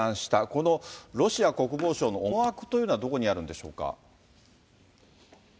このロシア国防省の思惑というのはどこにあるんでしょうか。